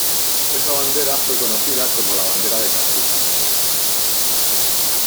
Esa bandera fue conocida como la Bandera de Calcuta.